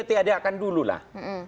tiada akan dulu lah